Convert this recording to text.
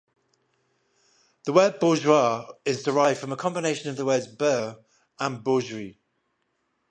The word "beurgeois" is derived from a combination of the words "beur" and "bourgeois".